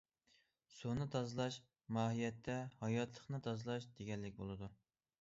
سۇنى تازىلاش، ماھىيەتتە ھاياتلىقنى تازىلاش دېگەنلىك بولىدۇ.